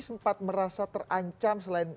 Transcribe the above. sempat merasa terancam selain